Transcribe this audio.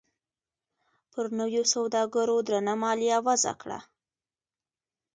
پر نویو سوداګرو درنه مالیه وضعه کړه.